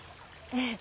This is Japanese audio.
ええ。